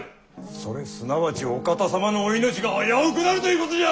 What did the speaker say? それすなわちお方様のお命が危うくなるということじゃ！